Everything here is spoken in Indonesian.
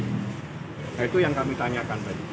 nah itu yang kami tanyakan tadi